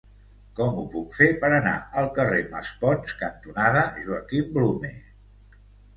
Com ho puc fer per anar al carrer Maspons cantonada Joaquim Blume?